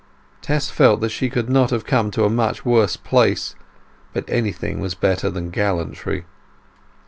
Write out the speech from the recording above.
Tess felt that she could not have come to a much worse place; but anything was better than gallantry.